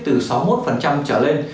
từ sáu mươi một trở lên